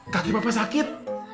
tadi papa sakit